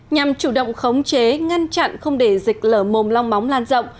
nhằm chủ động khống chế ngăn chặn không để dịch lở mồm long móng lan rộng